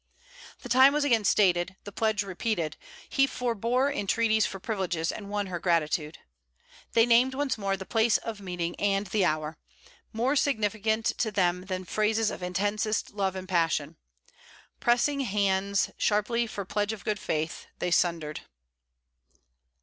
The time was again stated, the pledge repeated. He forbore entreaties for privileges, and won her gratitude. They named once more the place of meeting and the hour: more significant to them than phrases of intensest love and passion. Pressing hands sharply for pledge of good faith, they sundered.